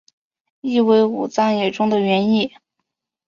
意为武藏野中的原野。